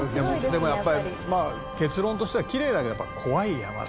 でもやっぱりまあ結論としてはきれいだけどやっぱ怖い山だね。